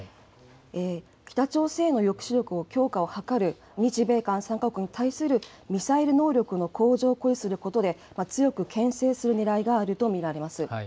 北朝鮮の抑止力の強化を図る日米韓３か国に対するミサイル能力の向上を誇示することで、強くけん制するねらいがあるものと見られます。